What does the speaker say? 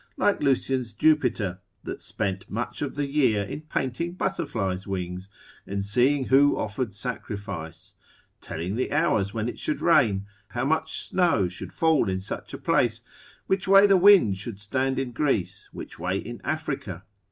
like Lucian's Jupiter, that spent much of the year in painting butterflies' wings, and seeing who offered sacrifice; telling the hours when it should rain, how much snow should fall in such a place, which way the wind should stand in Greece, which way in Africa.